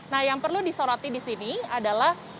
nah yang perlu disoroti di sini adalah